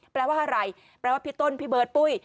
แปลว่าอะไรแปลว่าพี่ต้นพี่เบิร์ตปุ้ย